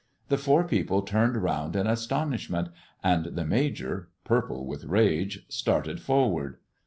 The four people turned round in astonishment, and the Major, purple with rage, started forward.